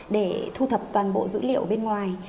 để thu thập toàn bộ dữ liệu bên ngoài